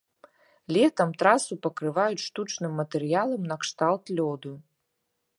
Летам трасу пакрываюць штучным матэрыялам накшталт лёду.